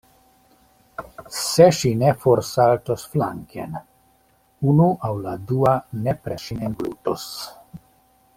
Se ŝi ne forsaltos flanken, unu aŭ la dua nepre ŝin englutos.